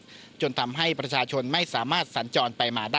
ส่วนประมาณให้ประชาชนไม่ข่าวสันจร